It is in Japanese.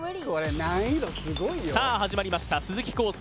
さあ始まりました鈴木浩介